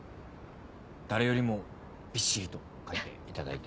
誰よりもびっしりと書いていただいて。